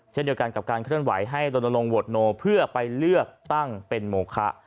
เช่นเดียวกันกับการเคลื่อนไหวให้ลนลงโหวตโนเพื่อไปเลือกตั้งเป็นโมคะ